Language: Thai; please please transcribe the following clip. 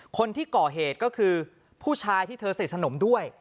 คนที่ก่อเหตุก็คือผู้ชายที่เธอสนิทสนมด้วย